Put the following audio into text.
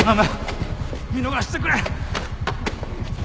見逃してくれ。